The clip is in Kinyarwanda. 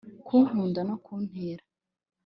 kunkunda no kuntera